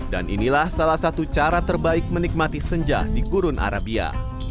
inilah salah satu cara terbaik menikmati senja di gurun arabia